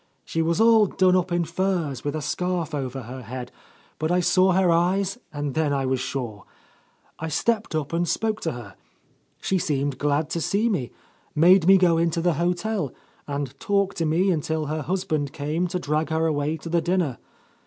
She was all done up in furs, with a scarf over her head, but I saw her eyes, and then I was sure. I stepped up and spoke to her. She seemed glad to see me, made me go into the hotel, and talked to me until her husband came to drag her away to the dinner.